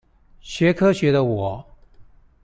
學科學的我